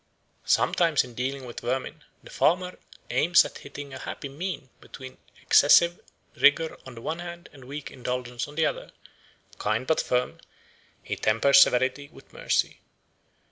Sometimes in dealing with vermin the farmer aims at hitting a happy mean between excessive rigour on the one hand and weak indulgence on the other; kind but firm, he tempers severity with mercy.